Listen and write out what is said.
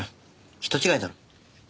人違いだろ。